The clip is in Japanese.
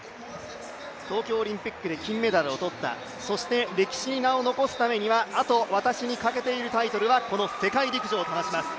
東京オリンピックで金メダルを取った、そして歴史に名を残すためには、あと私に欠けているタイトルはこの世界陸上と話します。